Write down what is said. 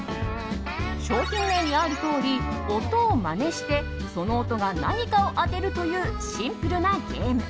商品名にあるとおり音をまねしてその音が何かを当てるというシンプルなゲーム。